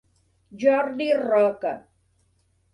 Jordi Roca.